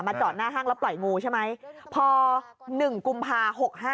จอดหน้าห้างแล้วปล่อยงูใช่ไหมพอ๑กุมภา๖๕